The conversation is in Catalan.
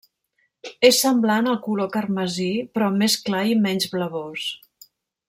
És semblant al color carmesí però més clar i menys blavós.